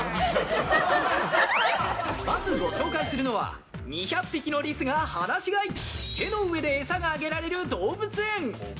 まずご紹介するのは２００匹のリスが放し飼い手の上で餌があげられる動物園。